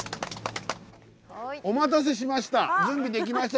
お待たせしました。